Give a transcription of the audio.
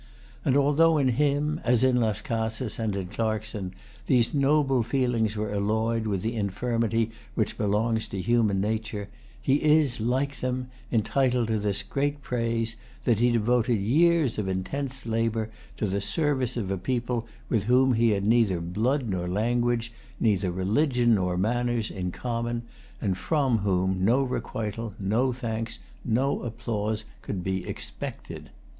And although in him, as in Las Casas and in Clarkson, these noble feelings were alloyed with the infirmity which belongs to human nature, he is, like them, entitled to this great praise, that he devoted years of intense labor to the service of a people with whom he had neither blood nor language, neither religion nor manners, in common, and[Pg 211] from whom no requital, no thanks, no applause could be expected.